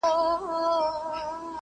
زه له سهاره سينه سپين کوم